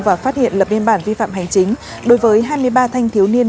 và phát hiện lập biên bản vi phạm hành chính đối với hai mươi ba thanh thiếu niên